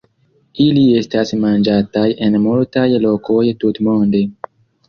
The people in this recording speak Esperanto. Ili estas manĝataj en multaj lokoj tutmonde.